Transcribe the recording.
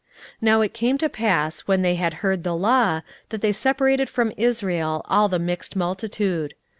16:013:003 Now it came to pass, when they had heard the law, that they separated from Israel all the mixed multitude.